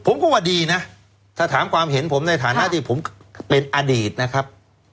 ว่าดีนะถ้าถามความเห็นผมในฐานะที่ผมเป็นอดีตนะครับ